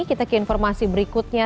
kita ke informasi berikutnya